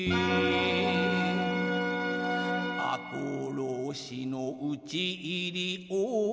「赤穂浪士の討ち入りを」